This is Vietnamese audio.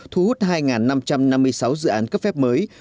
thu hút hai năm trăm năm mươi sáu dự án cấp phép mới